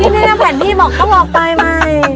นี่นะแผนพี่บอกก็บอกไปใหม่